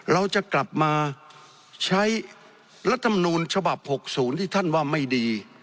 เราจะกลับมาใช้รัฐธรรมนูญฉบับหกศูนย์ที่ท่านว่าไม่ดี